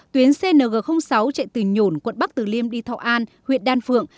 tuyến cng sáu chạy từ nhổn quận bắc tử liêm đi thọ an huyện đan phượng